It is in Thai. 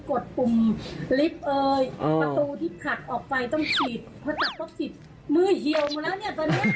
พอจับต้องฉีดมือเหี่ยวหมดแล้วตอนนี้